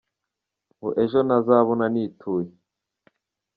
Ngo ejo ntazabona nituye!